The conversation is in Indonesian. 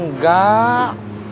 gak ada perangka